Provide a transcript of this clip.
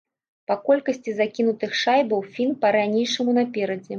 Па колькасці закінутых шайбаў фін па-ранейшаму наперадзе.